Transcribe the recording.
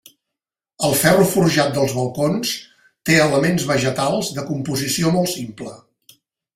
El ferro forjat dels balcons té elements vegetals de composició molt simple.